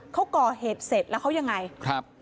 เขาก่อเหตุเสร็จแล้วเขายังไงครับ